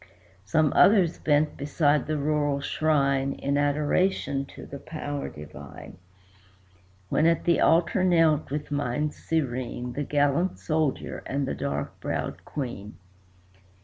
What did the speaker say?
Some others bent beside the rural shrine In adoration to the Power divine; When at the altar knelt, with minds serene, The gallant Soldier and the dark browed Queen.